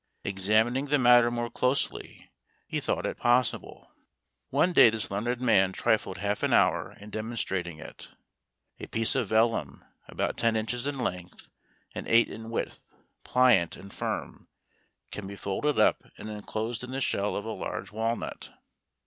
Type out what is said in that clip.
Examining the matter more closely, he thought it possible. One day this learned man trifled half an hour in demonstrating it. A piece of vellum, about ten inches in length and eight in width, pliant and firm, can be folded up, and enclosed in the shell of a large walnut.